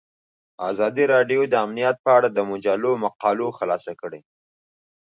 ازادي راډیو د امنیت په اړه د مجلو مقالو خلاصه کړې.